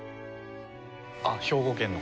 あっ兵庫県の。